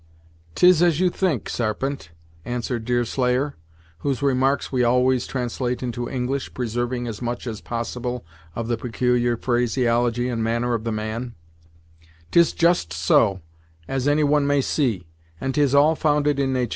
"'Tis as you think, Sarpent," answered Deerslayer, whose remarks we always translate into English, preserving as much as possible of the peculiar phraseology and manner of the man, "'Tis just so, as any one may see, and 'tis all founded in natur'.